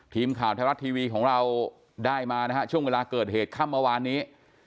ทีมข่าวทะลัดทีวีของเราได้มานะช่วงเวลาเกิดเหตุข้ามมาวานนี้